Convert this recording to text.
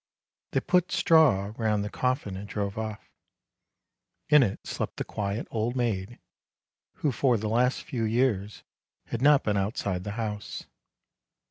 They put straw round the coffin and drove off. In it slept the quiet old maid, who for the last few years had not been outside the house.